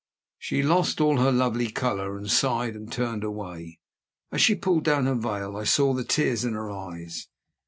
She lost all her lovely color, and sighed, and turned away. As she pulled down her veil, I saw the tears in her eyes.